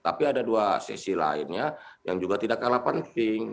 tapi ada dua sesi lainnya yang juga tidak kalah penting